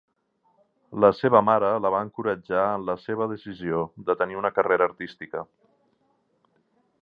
La seva mare la va encoratjar en la seva decisió de tenir una carrera artística.